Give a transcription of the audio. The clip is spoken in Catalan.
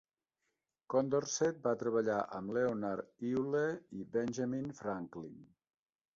Condorcet va treballar amb Leonhard Euler i Benjamin Franklin.